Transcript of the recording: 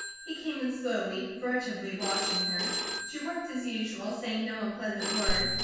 He came in slowly, furtively watching her. She worked as usual, saying no unpleasant word.